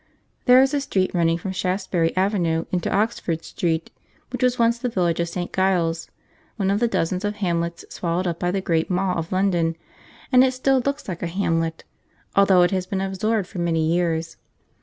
There is a street running from Shaftesbury Avenue into Oxford Street, which was once the village of St. Giles, one of the dozens of hamlets swallowed up by the great maw of London, and it still looks like a hamlet, although it has been absorbed for many years.